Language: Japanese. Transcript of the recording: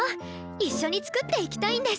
一緒に作っていきたいんです。